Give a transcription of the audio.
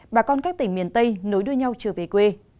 bà con các tỉnh miền tây nối đưa nhau trở về quê